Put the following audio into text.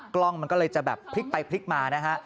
กล้องมันก็เลยจะแบบพลิกไปพลิกมานะฮะ